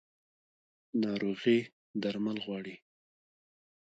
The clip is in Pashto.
ناروغي درمل غواړي